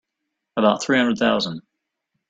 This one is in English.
About three hundred thousand.